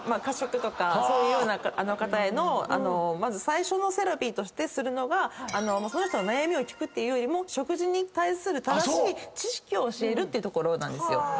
過食とかそういうような方への最初のセラピーとしてするのがその人の悩みを聞くというよりも食事に対する正しい知識を教えるっていうところなんですよ。